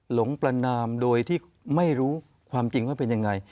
หลงประนามโดยที่ไม่รู้ความจริงว่าเป็นยังไง